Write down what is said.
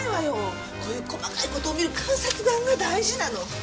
こういう細かい事を見る観察眼が大事なの。